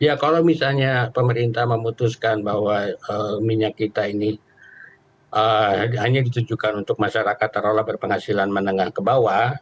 ya kalau misalnya pemerintah memutuskan bahwa minyak kita ini hanya ditujukan untuk masyarakat taruhlah berpenghasilan menengah ke bawah